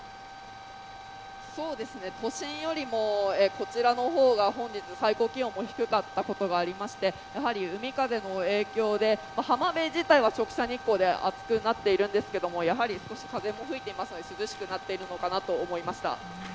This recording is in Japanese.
都心よりもこちらの方が本日最高気温も低かったことがありまして海風の影響で浜辺自体は直射日光で暑くなっているんですが、少し風も吹いていますので、涼しくなっているのかなと思いました。